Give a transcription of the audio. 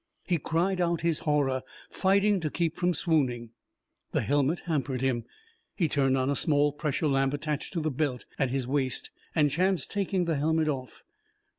He cried out his horror, fighting to keep from swooning. The helmet hampered him. He turned on a small pressure lamp attached to the belt at his waist, and chanced taking the helmet off.